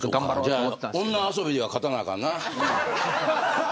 だったら女遊びでは勝たなあかんな。